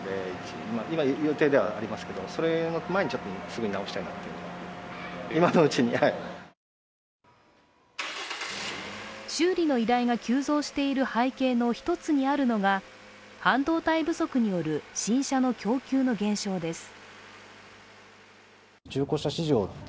修理を依頼した男性は修理の依頼が急増している背景の１つにあるのが半導体不足による新車の供給の減少です。